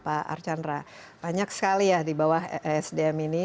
pak archandra banyak sekali ya di bawah esdm ini